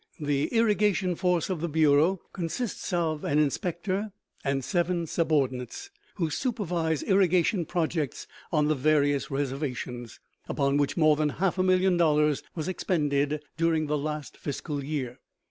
The irrigation force of the Bureau consists of an inspector and seven subordinates, who supervise irrigation projects on the various reservations, upon which more than half a million dollars was expended during the last fiscal year.